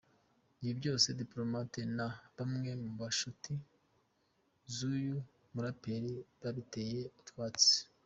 Ibi byose, Diplomate na bamwe mu nshuti z’uyu muraperi babiteye utwatsi.